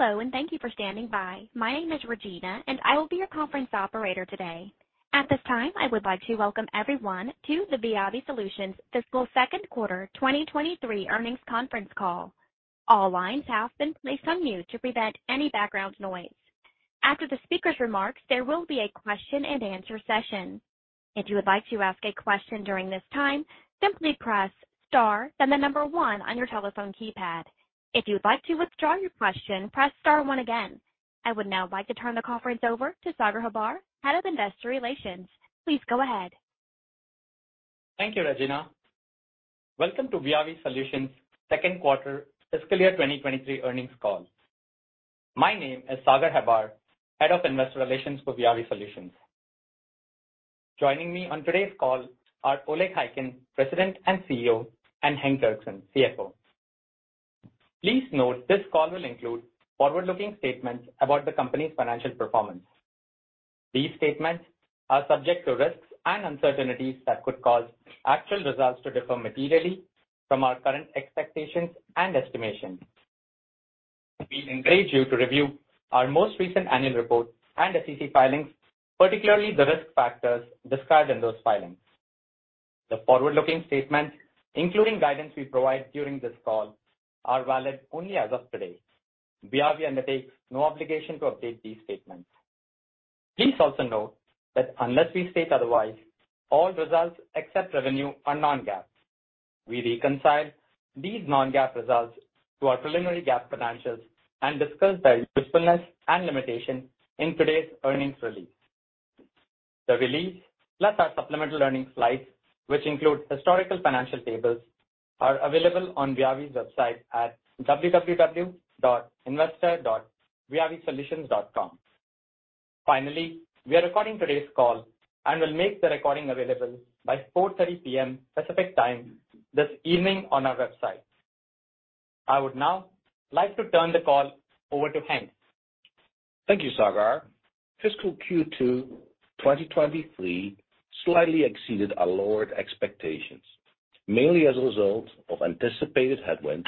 Hello, thank you for standing by. My name is Regina, and I will be your conference operator today. At this time, I would like to welcome everyone to the VIAVI Solutions Fiscal Second Quarter 2023 Earnings Conference Call. All lines have been placed on mute to prevent any background noise. After the speaker's remarks, there will be a question-and-answer session. If you would like to ask a question during this time, simply press star, then the number one on your telephone keypad. If you would like to withdraw your question, press star one again. I would now like to turn the conference over to Sagar Hebbar, Head of Investor Relations. Please go ahead. Thank you, Regina. Welcome to VIAVI Solutions Second Quarter Fiscal Year 2023 Earnings Call. My name is Sagar Hebbar, Head of Investor Relations for VIAVI Solutions. Joining me on today's call are Oleg Khaykin, President and CEO, and Henk Dirkx, CFO. Please note this call will include forward-looking statements about the company's financial performance. These statements are subject to risks and uncertainties that could cause actual results to differ materially from our current expectations and estimations. We encourage you to review our most recent annual report and SEC filings, particularly the risk factors described in those filings. The forward-looking statements, including guidance we provide during this call, are valid only as of today. VIAVI undertakes no obligation to update these statements. Please also note that unless we state otherwise, all results except revenue are non-GAAP. We reconcile these non-GAAP results to our preliminary GAAP financials and discuss their usefulness and limitations in today's earnings release. The release, plus our supplemental earnings slides, which include historical financial tables, are available on VIAVI's website at www.investor.viavisolutions.com. Finally, we are recording today's call and will make the recording available by 4:30 P.M. Pacific Time this evening on our website. I would now like to turn the call over to Henk. Thank you, Sagar. Fiscal Q2 2023 slightly exceeded our lowered expectations, mainly as a result of anticipated headwinds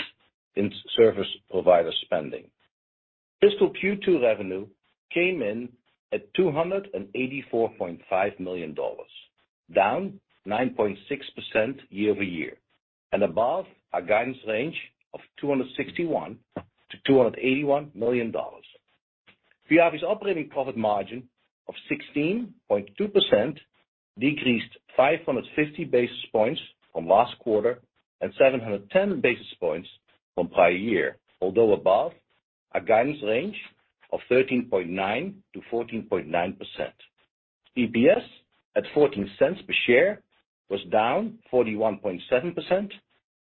in service provider spending. Fiscal Q2 revenue came in at $284.5 million, down 9.6% year-over-year, above our guidance range of $261 million-$281 million. VIAVI's operating profit margin of 16.2% decreased 550 basis points from last quarter and 710 basis points from prior year, although above our guidance range of 13.9%-14.9%. EPS at $0.14 per share was down 41.7%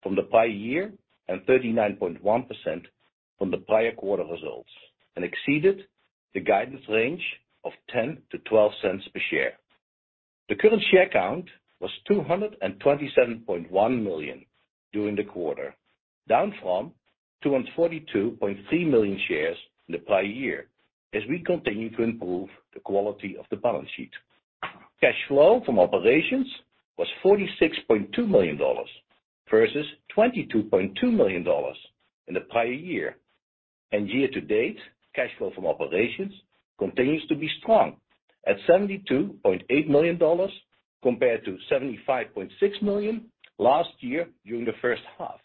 from the prior year and 39.1% from the prior quarter results, exceeded the guidance range of $0.10-$0.12 per share. The current share count was 227.1 million during the quarter, down from 242.3 million shares in the prior year as we continue to improve the quality of the balance sheet. Cash flow from operations was $46.2 million versus $22.2 million in the prior year. Year-to-date, cash flow from operations continues to be strong at $72.8 million compared to $75.6 million last year during the first half.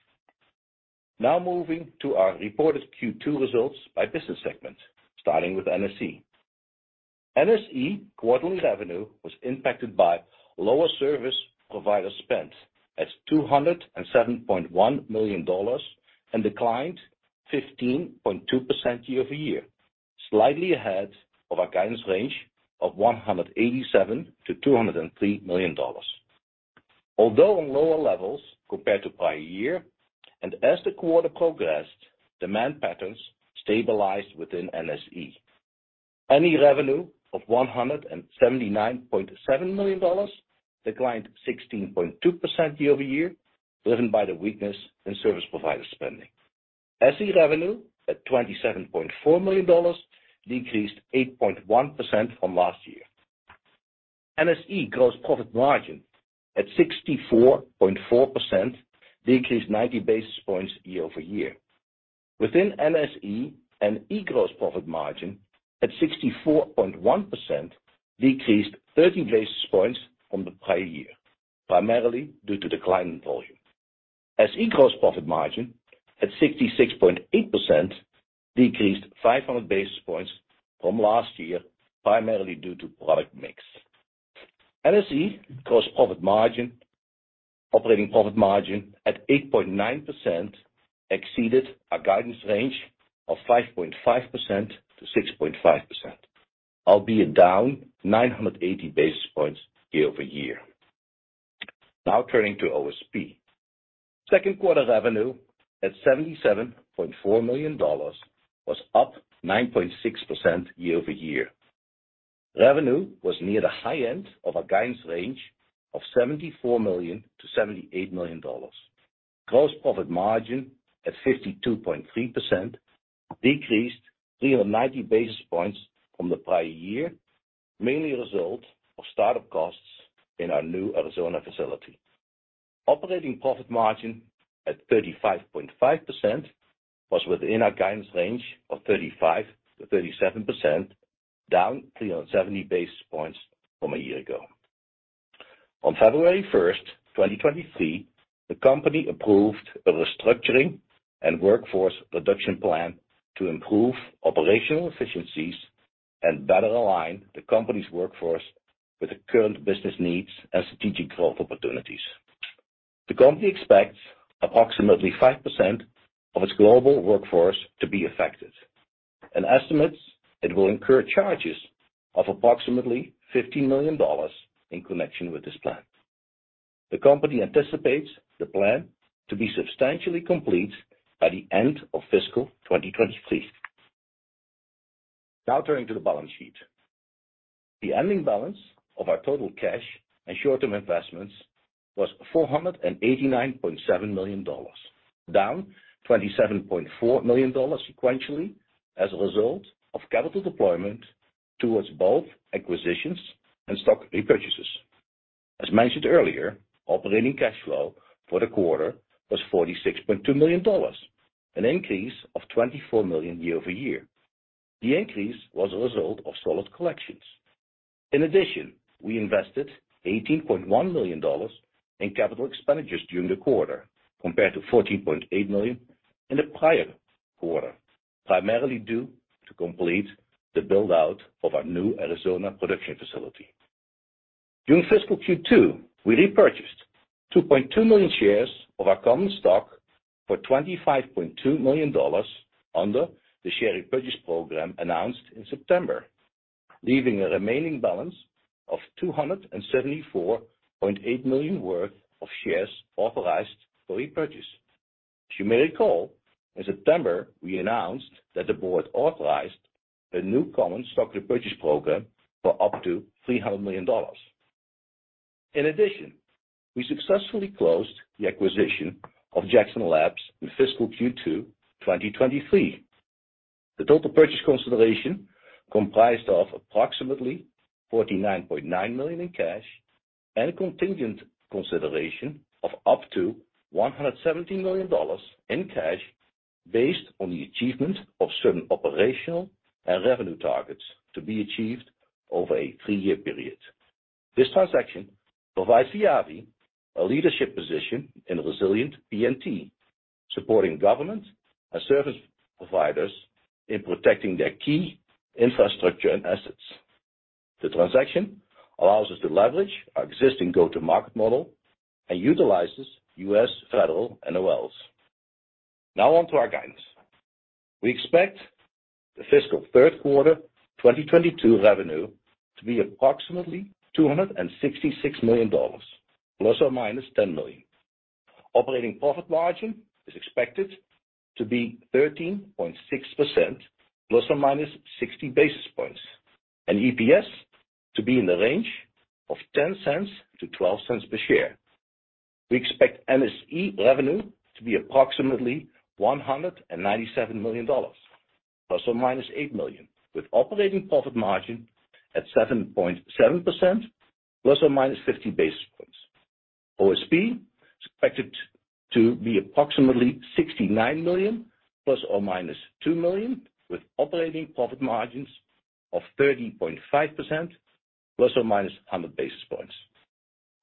Now moving to our reported Q2 results by business segment, starting with NSE. NSE quarterly revenue was impacted by lower service provider spend at $207.1 million and declined 15.2% year-over-year, slightly ahead of our guidance range of $187 million-$203 million. Although on lower levels compared to prior year, and as the quarter progressed, demand patterns stabilized within NSE. NE revenue of $179.7 million declined 16.2% year-over-year, driven by the weakness in service provider spending. SE revenue at $27.4 million decreased 8.1% from last year. NSE gross profit margin at 64.4% decreased 90 basis points year-over-year. Within NSE, NE gross profit margin at 64.1% decreased 30 basis points from the prior year, primarily due to declining volume. SE gross profit margin at 66.8% decreased 500 basis points from last year, primarily due to product mix. NSE gross profit margin-- operating profit margin at 8.9% exceeded our guidance range of 5.5%-6.5%, albeit down 980 basis points year-over-year. Turning to OSP. Second quarter revenue at $77.4 million was up 9.6% year-over-year. Revenue was near the high end of our guidance range of $74 million-$78 million. Gross profit margin at 52.3% decreased 390 basis points from the prior year, mainly a result of start-up costs in our new Arizona facility. Operating profit margin at 35.5% was within our guidance range of 35%-37%, down 370 basis points from a year ago. On February first, 2023, the company approved a restructuring and workforce reduction plan to improve operational efficiencies and better align the company's workforce with the current business needs and strategic growth opportunities. The company expects approximately 5% of its global workforce to be affected, and estimates it will incur charges of approximately $15 million in connection with this plan. The company anticipates the plan to be substantially complete by the end of fiscal 2023. Turning to the balance sheet. The ending balance of our total cash and short-term investments was $489.7 million, down $27.4 million sequentially as a result of capital deployment towards both acquisitions and stock repurchases. As mentioned earlier, operating cash flow for the quarter was $46.2 million, an increase of $24 million year-over-year. The increase was a result of solid collections. We invested $18.1 million in capital expenditures during the quarter compared to $14.8 million in the prior quarter, primarily due to complete the build-out of our new Arizona production facility. During fiscal Q2, we repurchased 2.2 million shares of our common stock for $25.2 million under the share repurchase program announced in September, leaving a remaining balance of $274.8 million worth of shares authorized for repurchase. As you may recall, in September, we announced that the board authorized a new common stock repurchase program for up to $300 million. We successfully closed the acquisition of Jackson Labs in fiscal Q2 2023. The total purchase consideration comprised of approximately $49.9 million in cash and a contingent consideration of up to $117 million in cash based on the achievement of certain operational and revenue targets to be achieved over a three-year period. This transaction provides Viavi a leadership position in Resilient PNT, supporting government and service providers in protecting their key infrastructure and assets. The transaction allows us to leverage our existing go-to-market model and utilizes U.S. federal NOLs. On to our guidance. We expect the fiscal third quarter 2022 revenue to be approximately $266 million, ±$10 million. Operating profit margin is expected to be 13.6%, ±60 basis points, and EPS to be in the range of $0.10-$0.12 per share. We expect NSE revenue to be approximately $197 million, ±$8 million, with operating profit margin at 7.7% ±50 basis points. OSP is expected to be approximately $69 million, ±$2 million, with operating profit margins of 30.5%, ±100 basis points.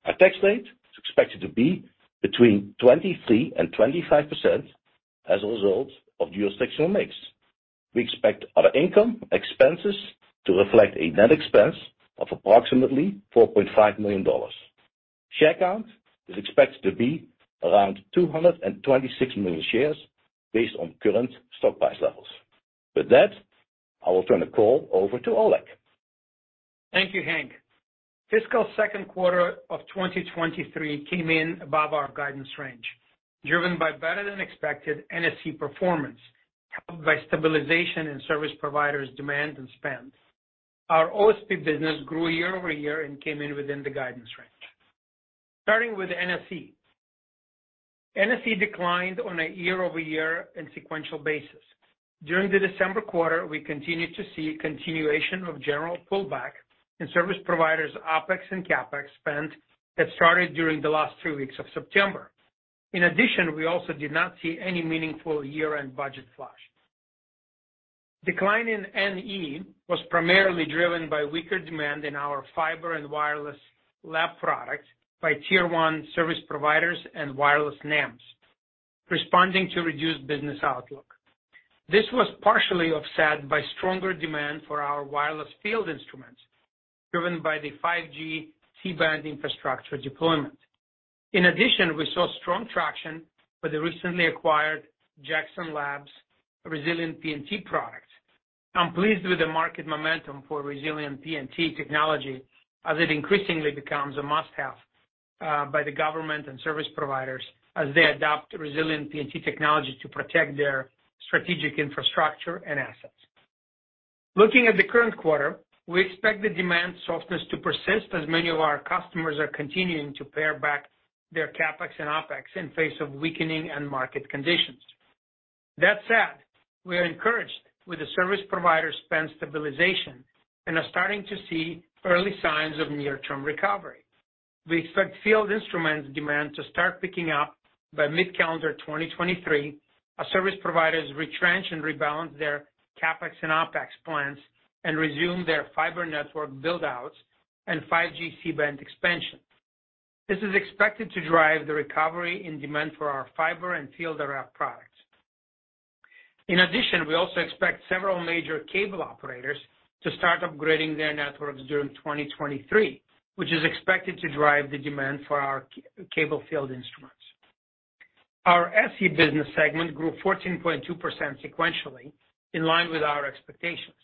Our tax rate is expected to be between 23% and 25% as a result of jurisdictional mix. We expect other income expenses to reflect a net expense of approximately $4.5 million. Share count is expected to be around 226 million shares based on current stock price levels. With that, I will turn the call over to Oleg. Thank you, Henk. Fiscal second quarter of 2023 came in above our guidance range, driven by better than expected NSE performance, helped by stabilization in service providers' demand and spend. Our OSP business grew year-over-year and came in within the guidance range. Starting with NSE. NSE declined on a year-over-year and sequential basis. During the December quarter, we continued to see a continuation of general pullback in service providers' OpEx and CapEx spend that started during the last two weeks of September. In addition, we also did not see any meaningful year-end budget flush. Decline in NE was primarily driven by weaker demand in our fiber and wireless lab products by tier one service providers and wireless NEMs, responding to reduced business outlook. This was partially offset by stronger demand for our wireless field instruments, driven by the 5G C-band infrastructure deployment. In addition, we saw strong traction for the recently acquired Jackson Labs Resilient PNT product. I'm pleased with the market momentum for Resilient PNT technology as it increasingly becomes a must-have by the government and service providers as they adopt Resilient PNT technology to protect their strategic infrastructure and assets. Looking at the current quarter, we expect the demand softness to persist as many of our customers are continuing to pare back their CapEx and OpEx in face of weakening end market conditions. That said, we are encouraged with the service provider spend stabilization and are starting to see early signs of near-term recovery. We expect field instruments demand to start picking up by mid-calendar 2023 as service providers retrench and rebalance their CapEx and OpEx plans and resume their fiber network build-outs and 5G C-band expansion. This is expected to drive the recovery in demand for our fiber and field products. We also expect several major cable operators to start upgrading their networks during 2023, which is expected to drive the demand for our Cable Test field instruments. Our SE business segment grew 14.2 sequentially, in line with our expectations.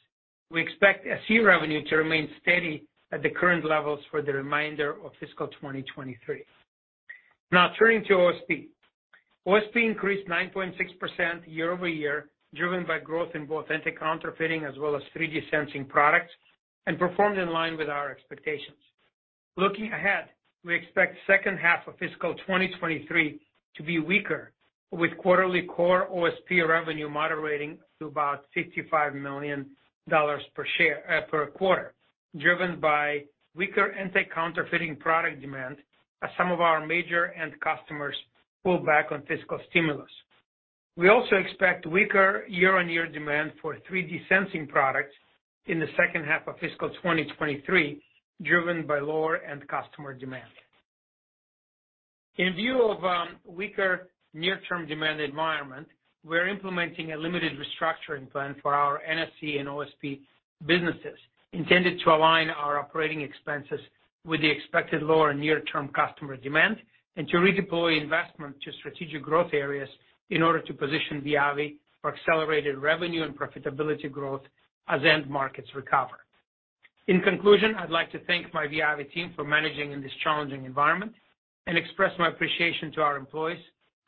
We expect SE revenue to remain steady at the current levels for the remainder of fiscal 2023. Turning to OSP. OSP increased 9.6 year-over-year, driven by growth in both anti-counterfeiting as well as 3D sensing products, and performed in line with our expectations. Looking ahead, we expect second half of fiscal 2023 to be weaker, with quarterly core OSP revenue moderating to about $55 million per share per quarter, driven by weaker anti-counterfeiting product demand as some of our major end customers pull back on fiscal stimulus. We also expect weaker year-on-year demand for 3D sensing products in the second half of fiscal 2023, driven by lower end customer demand. In view of weaker near-term demand environment, we're implementing a limited restructuring plan for our NSE and OSP businesses intended to align our operating expenses with the expected lower near-term customer demand and to redeploy investment to strategic growth areas in order to position VIAVI for accelerated revenue and profitability growth as end markets recover. In conclusion, I'd like to thank my VIAVI team for managing in this challenging environment and express my appreciation to our employees,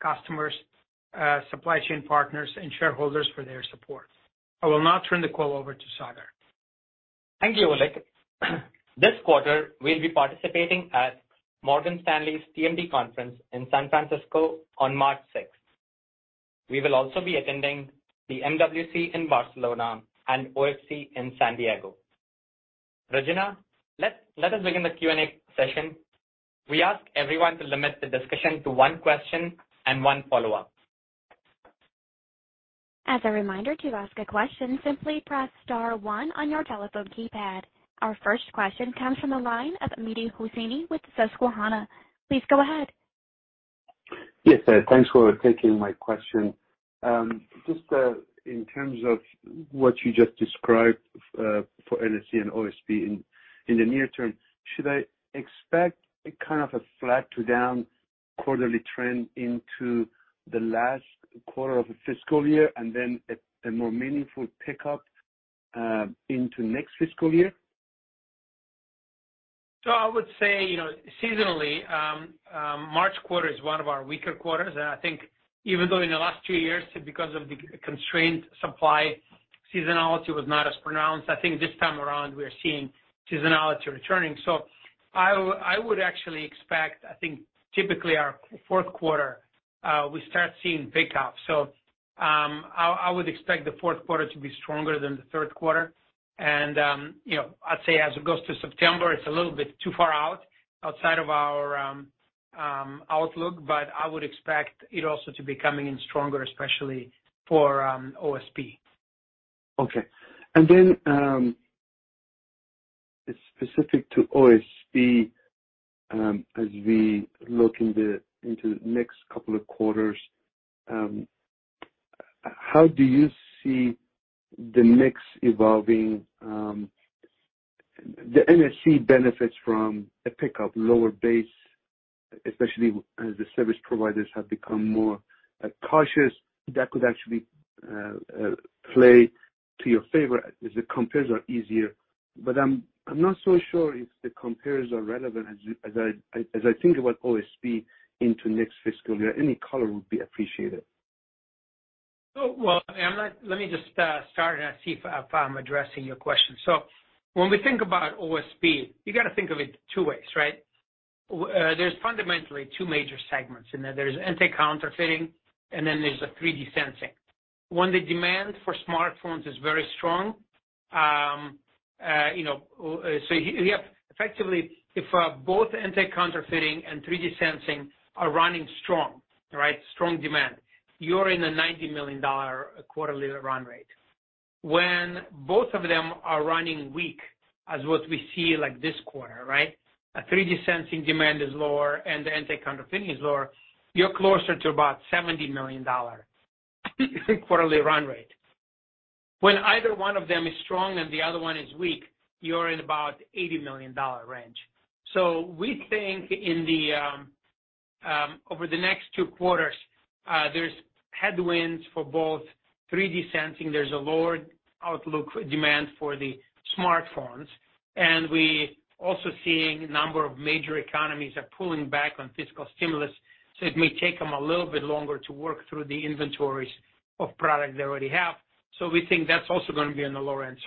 customers, supply chain partners, and shareholders for their support. I will now turn the call over to Sagar. Thank you, Oleg. This quarter, we'll be participating at Morgan Stanley's TMD conference in San Francisco on March 6th. We will also be attending the MWC in Barcelona and OFC in San Diego. Regina, let us begin the Q&A session. We ask everyone to limit the discussion to one question and one follow-up. As a reminder, to ask a question, simply press star one on your telephone keypad. Our first question comes from the line of Mehdi Hosseini with Susquehanna. Please go ahead. Yes, thanks for taking my question. Just in terms of what you just described for NSE and OSP in the near term, should I expect a kind of a flat to down quarterly trend into the last quarter of the fiscal year and then a more meaningful pickup into next fiscal year? I would say, you know, seasonally, March quarter is one of our weaker quarters. I think even though in the last two years, because of the constrained supply, seasonality was not as pronounced. I think this time around we are seeing seasonality returning. I would actually expect, I think typically our fourth quarter, we start seeing pick up. I would expect the fourth quarter to be stronger than the third quarter. You know, I'd say as it goes to September, it's a little bit too far out outside of our outlook, but I would expect it also to be coming in stronger, especially for OSP. Okay. Then, specific to OSP, as we look into the next couple of quarters, how do you see the mix evolving? The NSE benefits from a pickup lower base, especially as the service providers have become more cautious. That could actually play to your favor as the compares are easier. I'm not so sure if the compares are relevant as I think about OSP into next fiscal year. Any color would be appreciated. Well, let me just start and see if I'm addressing your question. When we think about OSP, you gotta think of it two ways, right? There's fundamentally two major segments in there. There's anti-counterfeiting, and then there's the 3D sensing. When the demand for smartphones is very strong, you know, you have effectively if both anti-counterfeiting and 3D sensing are running strong, right? Strong demand. You're in a $90 million quarterly run rate. When both of them are running weak, as what we see, like this quarter, right? A 3D sensing demand is lower and the anti-counterfeiting is lower, you're closer to about $70 million quarterly run rate. When either one of them is strong and the other one is weak, you're in about $80 million range. We think in the over the next two quarters, there's headwinds for both 3D sensing. There's a lower outlook demand for the smartphones. We also seeing a number of major economies are pulling back on fiscal stimulus, so it may take them a little bit longer to work through the inventories of product they already have. We think that's also gonna be on the lower end.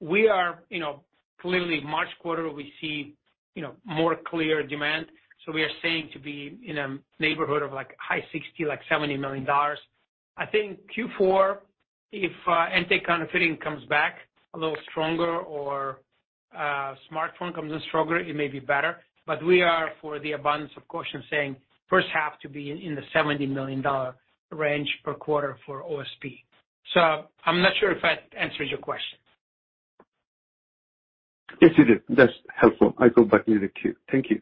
We are, you know, clearly March quarter, we see, you know, more clear demand. We are saying to be in a neighborhood of like high $60 million, like $70 million. I think Q4, if anti-counterfeiting comes back a little stronger or smartphone comes in stronger, it may be better. We are for the abundance of caution, saying first half to be in the $70 million range per quarter for OSP. I'm not sure if that answers your question. Yes, it did. That's helpful. I go back to the queue. Thank you.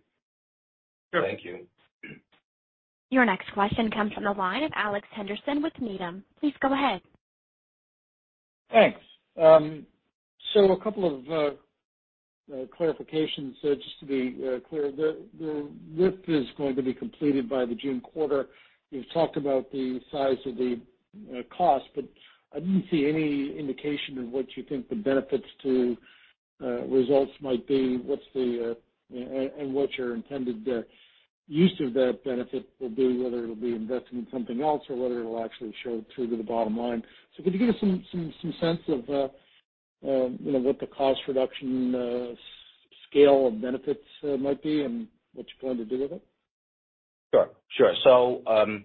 Sure. Thank you. Your next question comes from the line of Alex Henderson with Needham. Please go ahead. Thanks. A couple of clarifications just to be clear. The RIF is going to be completed by the June quarter. You've talked about the size of the cost, but I didn't see any indication of what you think the benefits to results might be. What your intended use of that benefit will be, whether it'll be investing in something else or whether it'll actually show through to the bottom line. Could you give us some sense of, you know, what the cost reduction scale of benefits might be and what you're going to do with it? Sure. Sure.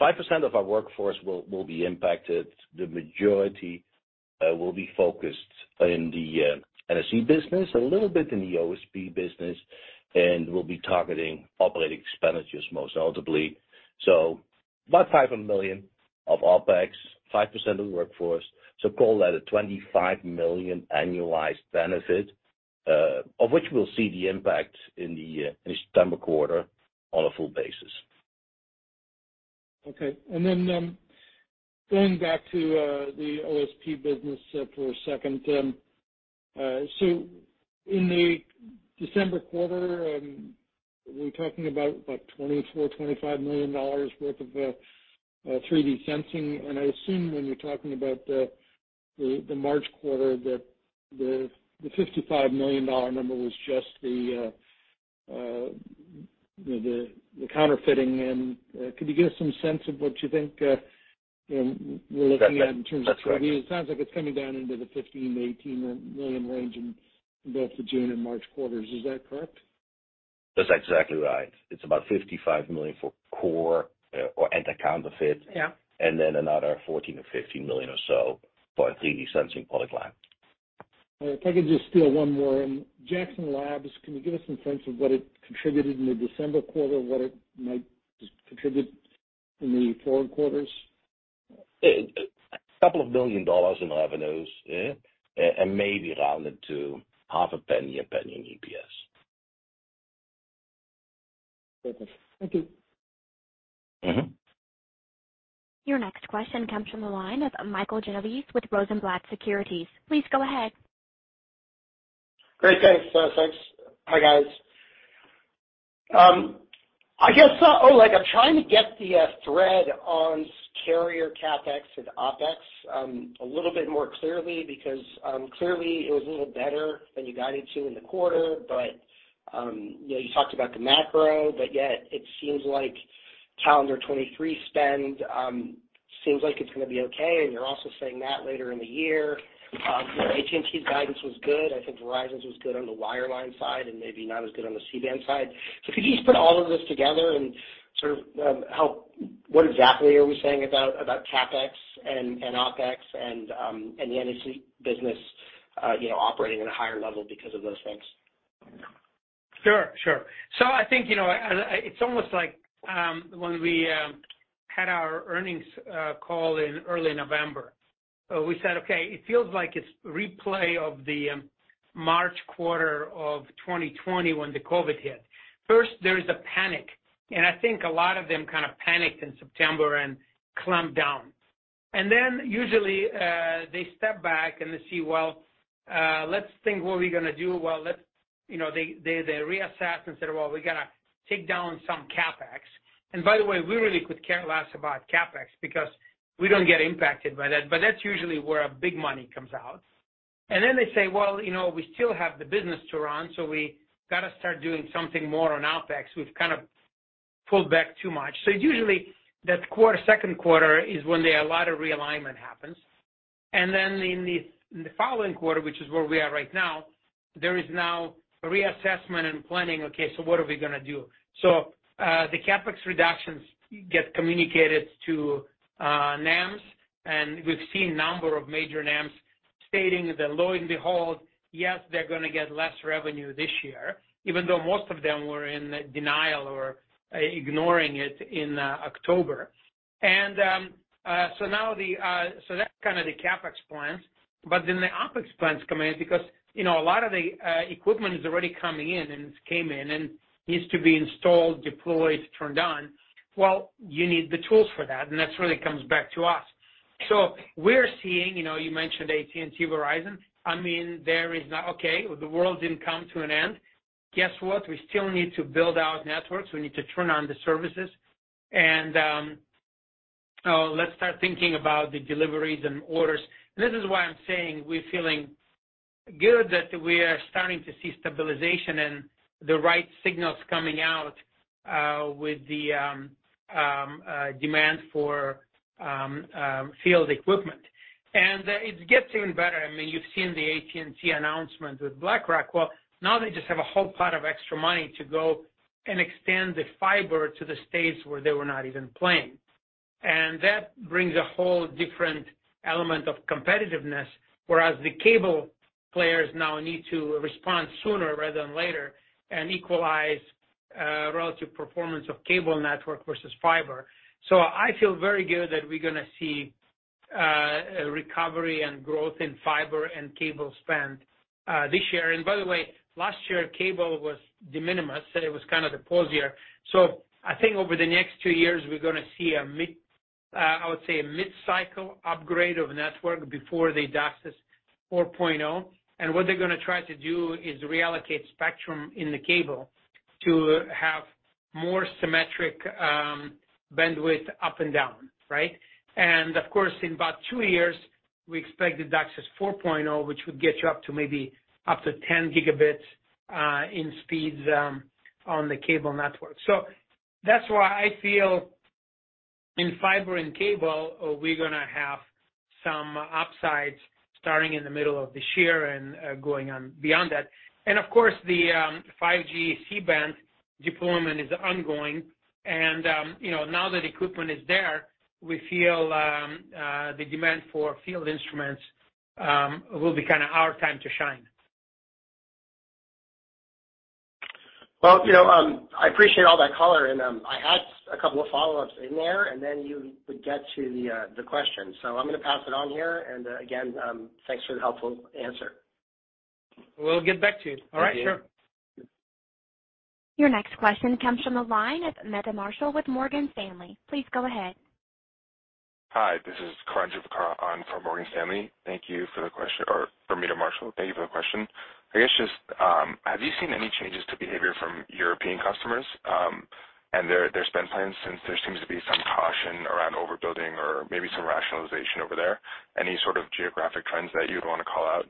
5% of our workforce will be impacted. The majority will be focused in the NSE business, a little bit in the OSP business, and we'll be targeting operating expenditures, most notably. About $500 million of OpEx, 5% of the workforce. Call that a $25 million annualized benefit, of which we'll see the impact in the September quarter on a full basis. Okay. Going back to the OSP business for a second. In the December quarter, we're talking about $24 million-$25 million worth of 3D sensing. I assume when you're talking about the March quarter, that the $55 million number was just, you know, the counterfeiting. Could you give us some sense of what you think we're looking at in terms of- That's right. It sounds like it's coming down into the $15 million-$18 million range in both the June and March quarters. Is that correct? That's exactly right. It's about $55 million for core, or anti-counterfeit. Yeah. Another $14 million-$15 million or so for our 3D sensing product line. If I could just steal one more. Jackson Labs, can you give us some sense of what it contributed in the December quarter, what it might contribute in the following quarters? A couple of billion dollars in revenues, yeah, and maybe rounded to half a penny, a penny in EPS. Perfect. Thank you. Mm-hmm. Your next question comes from the line of Michael Genovese with Rosenblatt Securities. Please go ahead. Great. Thanks. Thanks. Hi, guys. I guess, Oleg, I'm trying to get the thread on carrier CapEx and OpEx a little bit more clearly, because clearly it was a little better than you guided to in the quarter. You know, you talked about the macro, yet it seems like calendar '23 spend seems like it's gonna be okay. You're also saying that later in the year. AT&T's guidance was good. I think Verizon's was good on the wireline side and maybe not as good on the C-band side. Could you just put all of this together and sort of help what exactly are we saying about CapEx and OpEx and the NSE business, you know, operating at a higher level because of those things? Sure, sure. I think, you know, it's almost like when we had our earnings call in early November. We said, okay, it feels like it's replay of the March quarter of 2020 when the COVID hit. First, there is a panic, and I think a lot of them kind of panicked in September and clamped down. Usually, they step back and they see, well, let's think what we're gonna do. Well, let's, you know. They reassess and say, well, we gotta take down some CapEx. By the way, we really could care less about CapEx because we don't get impacted by that, but that's usually where our big money comes out. They say, "Well, you know, we still have the business to run, so we gotta start doing something more on OpEx. We've kind of pulled back too much." Usually that quarter, second quarter is when a lot of realignment happens. In the following quarter, which is where we are right now, there is now a reassessment and planning. Okay, what are we gonna do? The CapEx reductions get communicated to NEMs, and we've seen a number of major NEMs stating that lo and behold, yes, they're gonna get less revenue this year, even though most of them were in denial or ignoring it in October. That's kind of the CapEx plans. The OpEx plans come in because, you know, a lot of the equipment is already coming in, and it's came in and needs to be installed, deployed, turned on. Well, you need the tools for that, and that's really comes back to us. We're seeing, you know, you mentioned AT&T, Verizon. I mean, there is not. Okay, the world didn't come to an end. Guess what? We still need to build out networks. We need to turn on the services. Let's start thinking about the deliveries and orders. This is why I'm saying we're feeling good that we are starting to see stabilization and the right signals coming out with the demand for field equipment. It gets even better. I mean, you've seen the AT&T announcement with BlackRock. Well, now they just have a whole pot of extra money to go and extend the fiber to the states where they were not even playing. That brings a whole different element of competitiveness, whereas the cable players now need to respond sooner rather than later and equalize relative performance of cable network versus fiber. I feel very good that we're gonna see recovery and growth in fiber and cable spend this year. By the way, last year, cable was de minimis. It was kind of the pause year. I think over the next two years, we're gonna see a mid-cycle upgrade of network before the DOCSIS 4.0. What they're gonna try to do is reallocate spectrum in the cable to have more symmetric bandwidth up and down, right? Of course, in about two years, we expect the DOCSIS 4.0, which would get you up to maybe up to 10 Gb in speeds on the cable network. That's why I feel in fiber and cable, we're gonna have some upsides starting in the middle of this year and going on beyond that. Of course, the 5G C-band deployment is ongoing, and, you know, now that equipment is there, we feel the demand for field instruments will be kinda our time to shine. Well, you know, I appreciate all that color and, I had a couple of follow-ups in there, and then you would get to the question. I'm gonna pass it on here, and, again, thanks for the helpful answer. We'll get back to you. All right. Sure. Thank you. Your next question comes from the line of Meta Marshall with Morgan Stanley. Please go ahead. Hi, this is Karan Juvekar on for Morgan Stanley. Thank you for the question. I guess just, have you seen any changes to behavior from European customers, and their spend plans since there seems to be some caution around overbuilding or maybe some rationalization over there? Any sort of geographic trends that you'd wanna call out?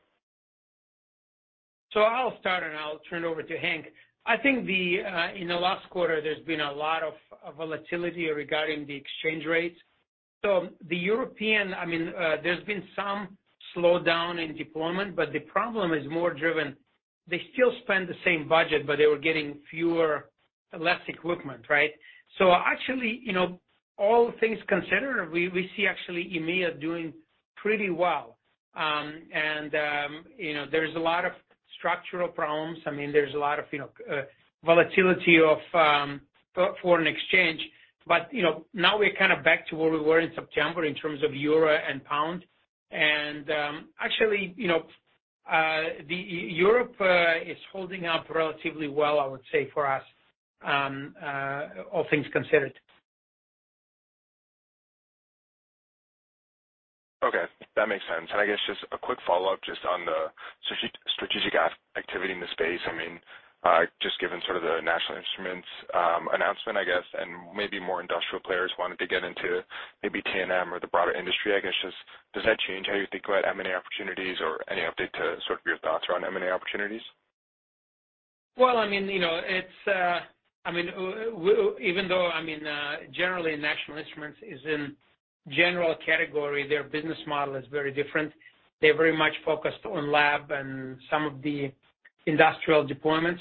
I'll start, and I'll turn it over to Henk. I think in the last quarter, there's been a lot of volatility regarding the exchange rates. The European, I mean, there's been some slowdown in deployment, but the problem is more driven. They still spend the same budget, but they were getting fewer, less equipment, right? Actually, you know, all things considered, we see actually EMEA doing pretty well. You know, there's a lot of structural problems. I mean, there's a lot of, you know, volatility of foreign exchange. You know, now we're kind of back to where we were in September in terms of euro and pound. Actually, you know, Europe is holding up relatively well, I would say, for us, all things considered. Okay. That makes sense. I guess just a quick follow-up just on the strategic activity in the space. I mean, just given sort of the National Instruments announcement, I guess, and maybe more industrial players wanting to get into maybe T&M or the broader industry, I guess just does that change how you think about M&A opportunities or any update to sort of your thoughts around M&A opportunities? Well, I mean, you know, it's, I mean, even though, I mean, generally, National Instruments is in general category, their business model is very different. They're very much focused on lab and some of the industrial deployments.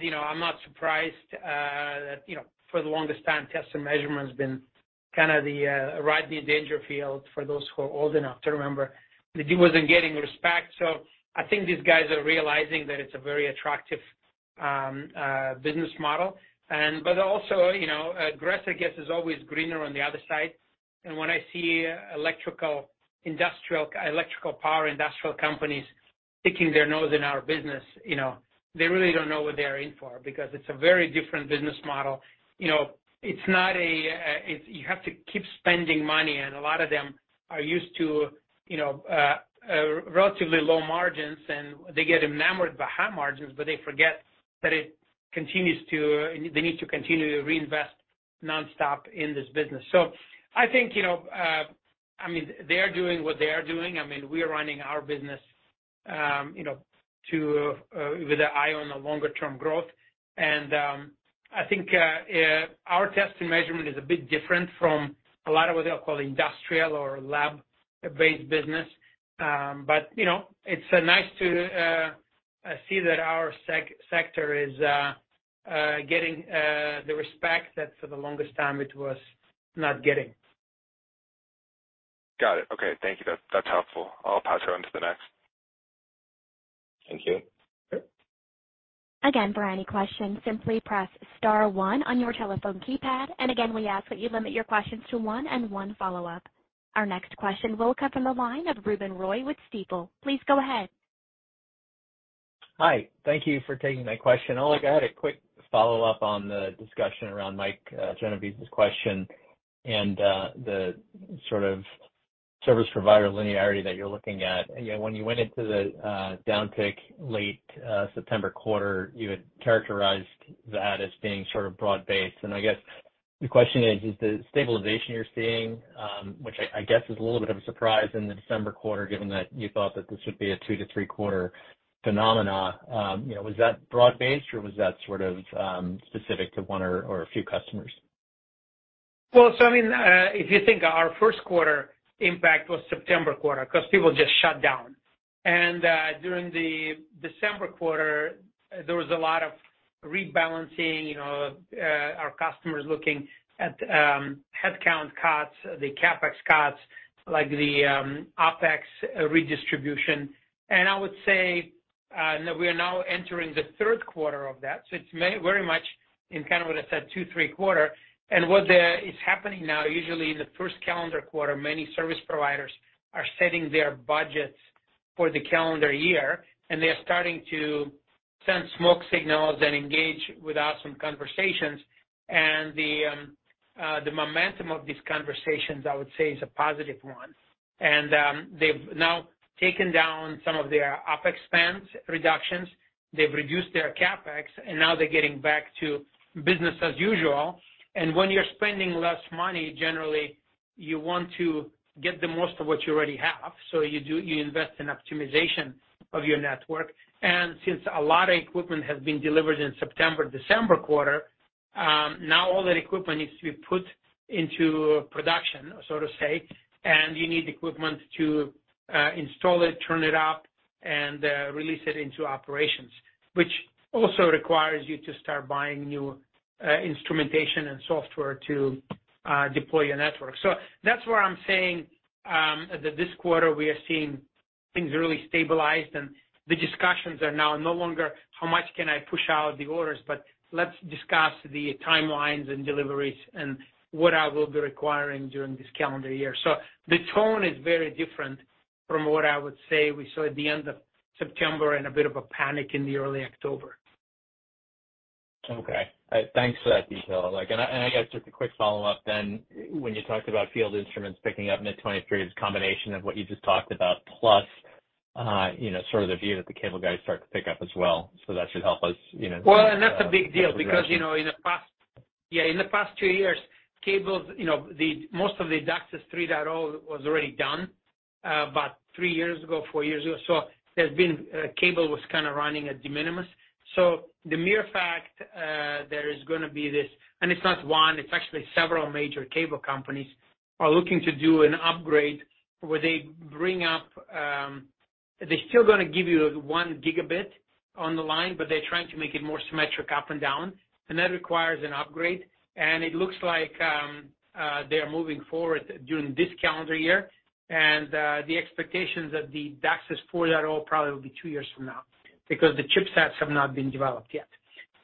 You know, I'm not surprised, that, you know, for the longest time, test and measurement has been kind of the Rodney Dangerfield for those who are old enough to remember, that it wasn't getting respect. I think these guys are realizing that it's a very attractive business model. But also, you know, grass, I guess, is always greener on the other side. When I see electrical, industrial, electrical power industrial companies sticking their nose in our business, you know, they really don't know what they're in for because it's a very different business model. You know, it's you have to keep spending money, and a lot of them are used to, you know, relatively low margins, and they get enamored by high margins, but they forget that They need to continue to reinvest nonstop in this business. I think, you know, I mean, they are doing what they are doing. I mean, we are running our business, you know, to, with an eye on the longer term growth. I think, our test and measurement is a bit different from a lot of what they call industrial or lab-based business. You know, it's nice to see that our sector is getting the respect that for the longest time it was not getting. Got it. Okay. Thank you. That's helpful. I'll pass it on to the next. Thank you. Okay. Again, for any questions, simply press star one on your telephone keypad. Again, we ask that you limit your questions to one and one follow-up. Our next question will come from the line of Ruben Roy with Stifel. Please go ahead. Hi. Thank you for taking my question. I only got a quick follow-up on the discussion around Mike Genovese's question and the sort of service provider linearity that you're looking at. You know, when you went into the downtick late September quarter, you had characterized that as being sort of broad-based. The question is the stabilization you're seeing, which I guess is a little bit of a surprise in the December quarter, given that you thought that this would be a two to three quarter phenomena, you know, was that broad-based or was that sort of specific to one or a few customers? Well, I mean, if you think our first quarter impact was September quarter, because people just shut down. During the December quarter, there was a lot of rebalancing, you know, our customers looking at headcount cuts, CapEx cuts, like the OpEx redistribution. I would say that we are now entering the third quarter of that. It's very much in kind of what I said, two, three quarter. What is happening now, usually in the first calendar quarter, many service providers are setting their budgets for the calendar year, and they're starting to send smoke signals and engage with us some conversations. The momentum of these conversations, I would say, is a positive one. They've now taken down some of their OpEx spends reductions. They've reduced their CapEx, and now they're getting back to business as usual. When you're spending less money, generally, you want to get the most of what you already have, so you invest in optimization of your network. Since a lot of equipment has been delivered in September, December quarter, now all that equipment needs to be put into production, so to say, and you need equipment to install it, turn it up, and release it into operations, which also requires you to start buying new instrumentation and software to deploy your network. That's where I'm saying that this quarter we are seeing things really stabilized and the discussions are now no longer how much can I push out the orders, but let's discuss the timelines and deliveries and what I will be requiring during this calendar year. The tone is very different from what I would say we saw at the end of September and a bit of a panic in the early October. Okay. Thanks for that detail. Like, I guess just a quick follow-up then. When you talked about field instruments picking up mid-2023, it's a combination of what you just talked about plus, you know, sort of the view that the cable guys start to pick up as well. That should help us, you know... Well, that's a big deal because, you know, in the past, yeah, in the past two years, cables, you know, most of the DOCSIS 3.0 was already done, about three years ago, four years ago. There's been, cable was kind of running at de minimis. The mere fact there is going to be this, and it's not one, it's actually several major cable companies are looking to do an upgrade where they bring up. They're still going to give you 1 Gb on the line, but they're trying to make it more symmetric up and down, and that requires an upgrade. It looks like they are moving forward during this calendar year. The expectations that the DOCSIS 4.0 probably will be two years from now because the chipsets have not been developed yet.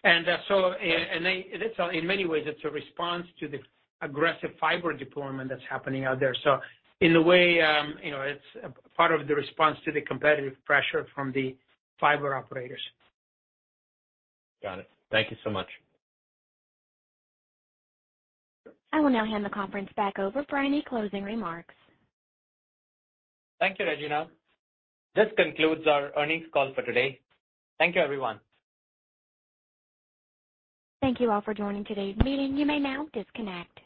That's all. In many ways, it's a response to the aggressive fiber deployment that's happening out there. In a way, you know, it's part of the response to the competitive pressure from the fiber operators. Got it. Thank you so much. I will now hand the conference back over for any closing remarks. Thank you, Regina. This concludes our earnings call for today. Thank you, everyone. Thank you all for joining today's meeting. You may now disconnect.